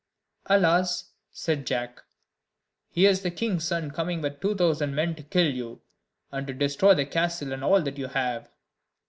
"Alas!" said Jack, "here's the king's son coming with two thousand men to kill you, and to destroy the castle and all that you have."